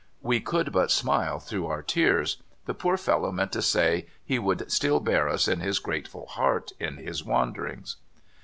We could but smile through our tears. The poor fellow meant to say he would still bear us in his grateful heart in his wanderings.